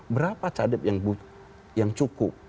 berapa cadep yang cukup